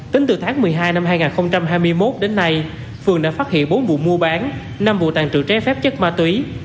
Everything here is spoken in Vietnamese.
tính từ tháng một mươi hai năm hai nghìn hai mươi một đến nay phường đã phát hiện bốn vụ mua bán năm vụ tàn trự trái phép chất ma túy